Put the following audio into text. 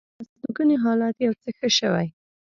د هستوګنې حالت یو څه ښه شوی.